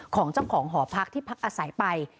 ของเจ้าของหอพักที่พักอาศัยไป